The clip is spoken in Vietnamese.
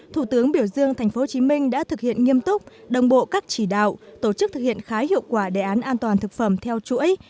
thủ tướng biểu dương tp hcm đã thực hiện nghiêm túc đồng bộ các chỉ đạo tổ chức thực hiện khá hiệu quả đề án an toàn thực phẩm theo chuỗi